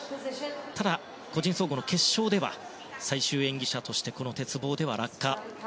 ただ、個人総合の決勝では最終演技者としてこの鉄棒では落下。